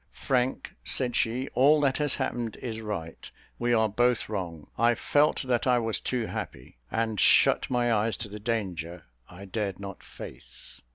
"Frank," said she, "all that has happened is right. We are both wrong. I felt that I was too happy, and shut my eyes to the danger I dared not face.